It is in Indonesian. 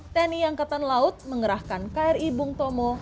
tni angkatan laut mengerahkan kri bung tomo